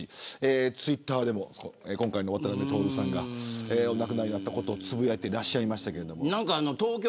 ツイッターでも渡辺徹さんがお亡くなりになったことをつぶやいていらっしゃいました。